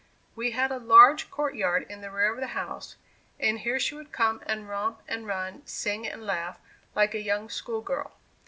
We had a large court yard in the rear of the house, and here she would come and romp and run, sing and laugh, like a young school girl.